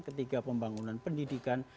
ketiga pembangunan pendidikan